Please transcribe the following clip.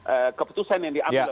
ee keputusan yang diambil